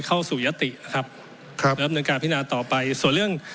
จะเข้าสู่ยศตินะครับครับในการพินาศต่อไปส่วนเรื่อง